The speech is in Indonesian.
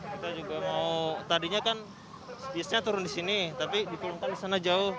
kita juga mau tadinya kan bisnya turun di sini tapi diturunkan di sana jauh